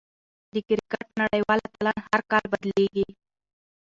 د کرکټ نړۍوال اتلان هر کال بدلېږي.